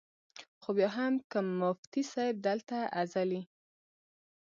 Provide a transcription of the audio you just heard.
خو بیا هم کۀ مفتي صېب دلته ازلي ،